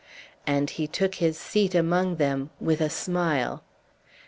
And he took his seat among them with a smile.